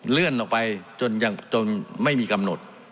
เลื่อนออกไปจนไม่มีกำหนด